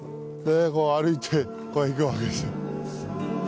こう歩いていくわけですよ。